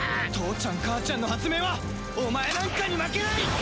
父ちゃん母ちゃんの発明はお前なんかに負けない！